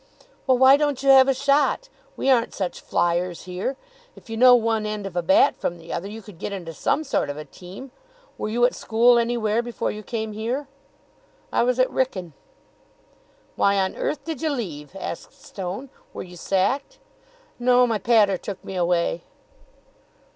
"Well, why don't you have a shot? We aren't such flyers here. If you know one end of a bat from the other, you could get into some sort of a team. Were you at school anywhere before you came here?" "I was at Wrykyn." "Why on earth did you leave?" asked Stone. "Were you sacked?" "No. My pater took me away."